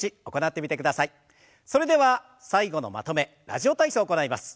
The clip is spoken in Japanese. それでは最後のまとめ「ラジオ体操」を行います。